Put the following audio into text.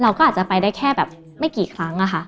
เราก็อาจจะไปได้แค่ไม่กี่ครั้ง